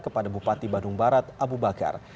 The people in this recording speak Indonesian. kepada bupati bandung barat abu bakar